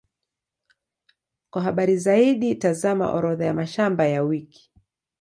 Kwa habari zaidi, tazama Orodha ya mashamba ya wiki.